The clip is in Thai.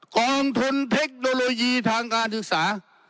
กองทุนเทคโนโลยีทางการศึกษา